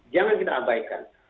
jangan kita abaikan